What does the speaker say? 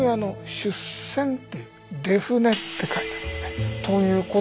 「出舟」って書いてあるんですね。